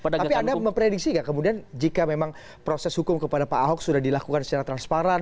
tapi anda memprediksi nggak kemudian jika memang proses hukum kepada pak ahok sudah dilakukan secara transparan